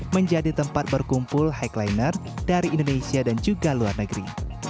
menjadi tempat berkumpul highliner dari indonesia dan juga luar negeri